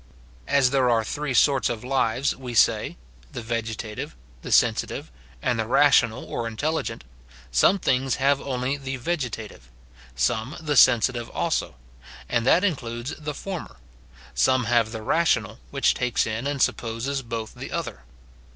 As there are three sorts of lives, we say, — the vegetative, the sensitive, and the rational or intelligent, — some things have only the vegetative ; some the sensitive also, and that includes the former ; some have the rational, Avhich takes in and supposes both the other.